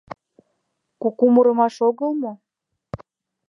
Куку мурымаш огыл мо?